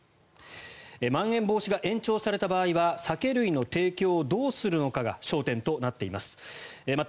まん延防止が延長された場合は酒類の提供をどうするのかが焦点となっています。